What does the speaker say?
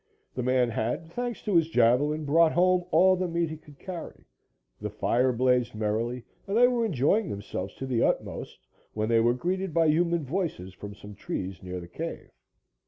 The man had, thanks to his javelin, brought home all the meat he could carry, the fire blazed merrily and they were enjoying themselves to the utmost when they were greeted by human voices from some trees near the cave.